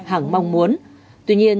hẳng mong muốn tuy nhiên